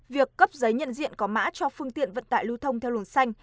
việc cấp giấy nhận diện có mã cho phương tiện vận tải lưu thông theo luồng xanh